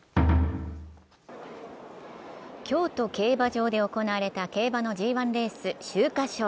京都競馬場で行われた競馬のＧⅠレース・秋華賞。